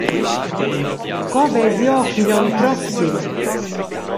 Co vesi ora pigl onn proxim?